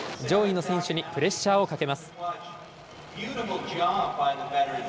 上位の選手にプレッシャーをかけます。